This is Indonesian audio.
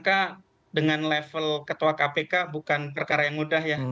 kpk dengan level ketua kpk bukan perkara yang mudah ya